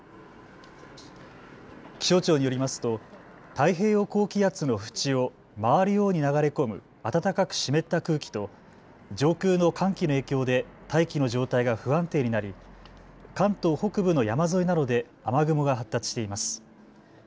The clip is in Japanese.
気象庁によりますと太平洋高気圧の縁を回るように流れ込む暖かく湿った空気と上空の寒気の影響で大気の状態が不安定になり関東北部の山沿いなどで雨雲が発達しています。